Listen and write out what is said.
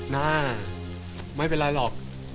น่าไม่เป็นไรหรอก